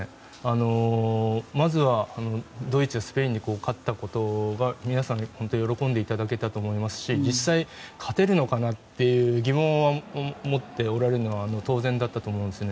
まずはドイツ、スペインに勝ったことが皆さんに喜んでいただけたと思いますし実際、勝てるのかなという疑問は持っておられるのは当然だったと思うんですね。